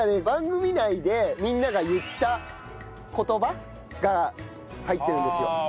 番組内でみんなが言った言葉が入ってるんですよ。